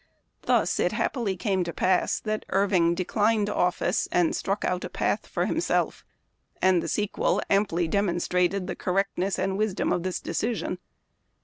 Thus it happily came to pass that Irving declined office, and struck out a path for him self ; and the sequel amply demonstrated the correctness and wisdom of his decision.